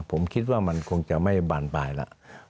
ผมคิดว่ามันคงจะไม่บานปลายแล้ว